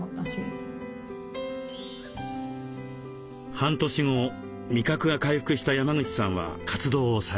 半年後味覚が回復した山口さんは活動を再開。